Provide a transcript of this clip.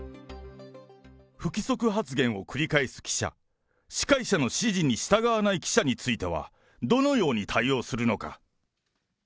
不規則発言を繰り返す記者、司会者の指示に従わない記者については、どのように対応するのか。